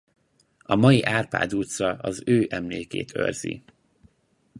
A mai Árpád utca az ő emlékét őrzi.